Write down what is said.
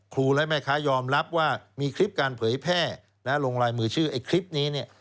และแม่ค้ายอมรับว่ามีคลิปการเผยแพร่ลงลายมือชื่อไอ้คลิปนี้เนี่ย